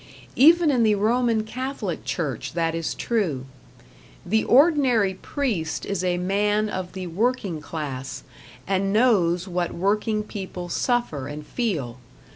Even in the Roman Catholic Church that is true. The ordinary priest is a man of the working class, and knows what working people suffer and feel.